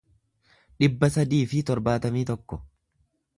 dhibba sadii fi torbaatamii tokko